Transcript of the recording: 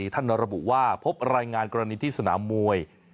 ระบุว่าพบรายงานกรณีที่สนามมวย